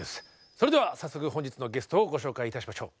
それでは早速本日のゲストをご紹介いたしましょう。